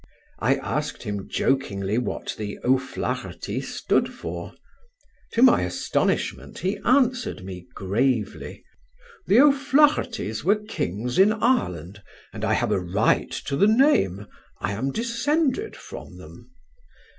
I asked him jokingly what the O'Flahertie stood for. To my astonishment he answered me gravely: "The O'Flaherties were kings in Ireland, and I have a right to the name; I am descended from them."